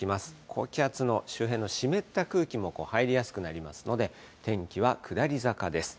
高気圧の周辺の湿った空気も入りやすくなりますので、天気は下り坂です。